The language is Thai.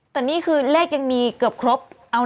แต่นี่คือเลขยังมีเกือบครบ